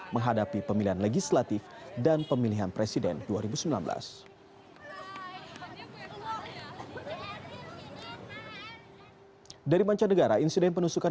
menghadapi pemilihan legislatif dan pemilihan presiden dua ribu sembilan belas